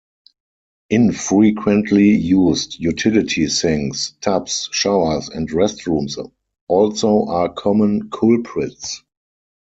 Infrequently used utility sinks, tubs, showers, and restrooms also are common culprits.